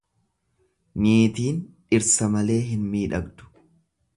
Niitiin dhirsa malee hin miidhagdu.